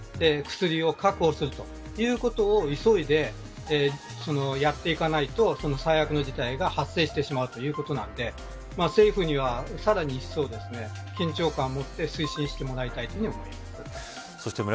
薬を確保するということを急いでやっていかないと最悪の事態が発生してしまうということなので政府にはさらにいっそう緊張感を持って推進してもらいたいと思います。